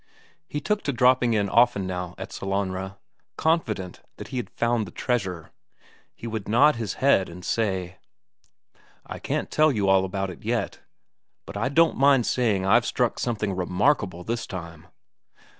He took to dropping in often now at Sellanraa, confident that he had found the treasure; he would nod his head and say: "I can't tell you all about it yet, but I don't mind saying I've struck something remarkable this time."